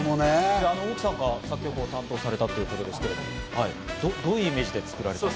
沖さんが作曲を担当されたというこですけど、どんなイメージで？